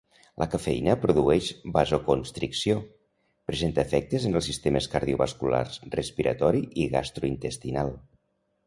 La cafeïna produeix vasoconstricció; presenta efectes en els sistemes cardiovasculars, respiratori i gastrointestinal.